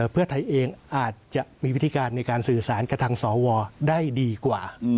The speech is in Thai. เพื่อไทยเองอาจจะมีวิธีการในการสื่อสารกับทางสวได้ดีกว่า